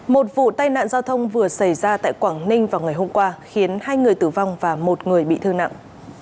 một vụ tai nạn giao thông vừa xảy ra tại quảng ninh vào ngày hôm qua khiến hai người tử vong và một người bị thương nặng